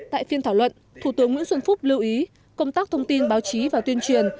tại phiên thảo luận thủ tướng nguyễn xuân phúc lưu ý công tác thông tin báo chí và tuyên truyền